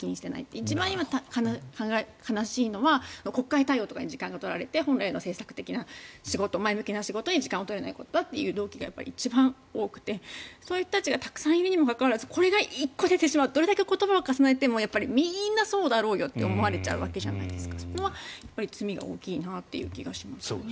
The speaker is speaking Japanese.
今、一番悲しいのは国会対応とかに時間を取られて本来の政策的な仕事前向きな仕事に時間が取れないという同期が一番多くてそういう人がたくさんいるにもかかわらずこういうのが１個出るとどれだけ言葉を重ねてもみんな、そうだろうよって思われちゃうわけじゃないですか。